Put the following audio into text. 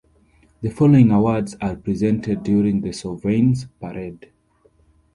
The following awards are presented during the Sovereign's Parade.